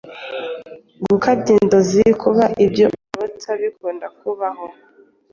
Gukabya inzozi: kuba ibyo urota bikunda kubaho.